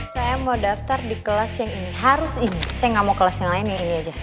saya mau daftar di kelas yang ini harus ini saya nggak mau kelas yang lain yang ini aja